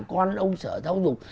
con ông sở giáo dục